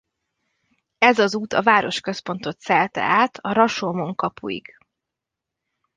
Ez az út a városközpontot szelte át a Rasómon-kapuig.